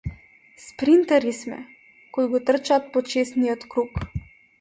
Спринтери сме, кои го трчаат почесниот круг.